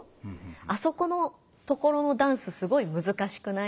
「あそこのところのダンスすごいむずかしくない？」。